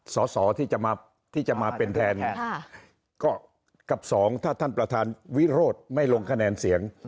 สอสอที่จะมาที่จะมาเป็นแทนก็กับสองถ้าท่านประธานวิโรธไม่ลงคะแนนเสียง